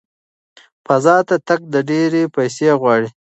فضا ته تګ ډېرې پیسې غواړي.